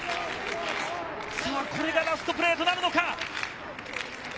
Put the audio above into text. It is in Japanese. これがラストプレーとなるのか。